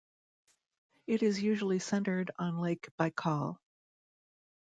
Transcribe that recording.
It is usually centered on Lake Baikal.